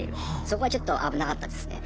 そこはちょっと危なかったですね。